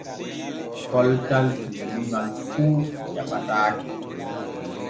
Koltal tuunuŋal fu jaɓataake.